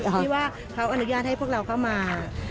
ที่ว่าเขาอนุญาตให้พวกเราเข้ามา